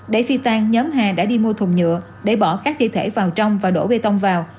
để phi tan nhóm hà đã đi mua thùng nhựa để bỏ các thi thể vào trong và đổ bê tông vào